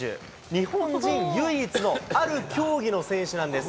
日本人唯一のある競技の選手なんです。